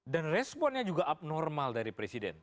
dan responnya juga abnormal dari presiden